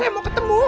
saya mau ketemu